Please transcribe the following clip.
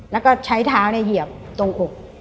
แล้วก็ใช้เท้าเหยียบตรงอก